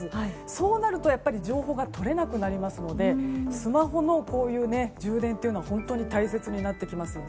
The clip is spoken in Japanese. そうなると情報が取れなくなりますのでスマホの充電は本当に大切になってきますよね。